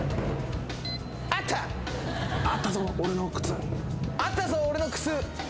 「あったぞ俺の靴」あったぞ俺の靴。